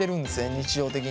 日常的に。